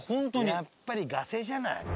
やっぱりガセじゃない？